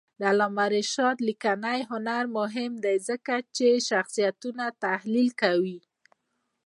د علامه رشاد لیکنی هنر مهم دی ځکه چې شخصیتونه تحلیل کوي.